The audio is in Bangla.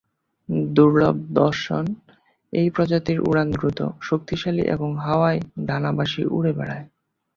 দুর্লভ দর্শন এই প্রজাতির উড়ান দ্রুত, শক্তিশালী এবং হাওয়ায় ডানা ভাসিয়ে উড়ে রেড়ায়।